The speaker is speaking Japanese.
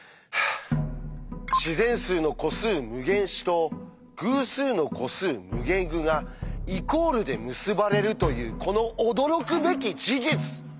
自然数の個数「∞自」と偶数の個数「∞ぐ」がイコールで結ばれるというこの驚くべき事実！